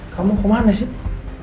kamu kemana sih